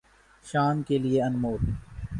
شان کے لئے انمول